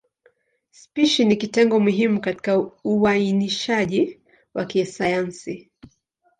Spishi ni kitengo muhimu katika uainishaji wa kisayansi.